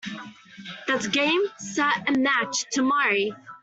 That's Game Set and Match to Murray